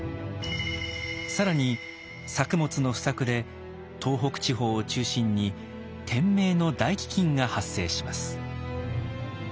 更に作物の不作で東北地方を中心に「天明の大飢饉」が発生します。